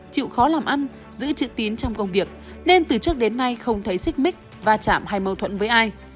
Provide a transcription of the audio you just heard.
chịu khó làm ăn giữ chữ tín trong công việc nên từ trước đến nay không thấy xích mích va chạm hay mâu thuẫn với ai